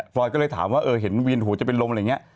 รอยก็เลยถามว่าเออเห็นเวียนหัวจะเป็นลมอะไรอย่างนี้